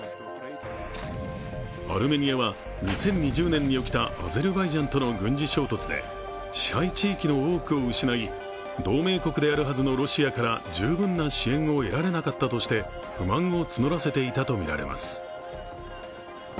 アルメニアは２０２０年に起きたアゼルバイジャンとの軍事衝突で支配地域の多くを失い、同盟国であるはずのロシアから十分な支援を得られなかったとして不満を募らせていたとみられます。